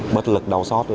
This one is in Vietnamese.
bất lực đau xót